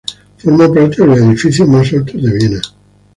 Forma parte de los edificios más altos de Viena.